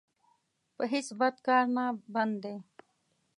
په هېڅ بد کار نه بند دی.